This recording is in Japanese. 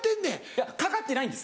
いやかかってないんです。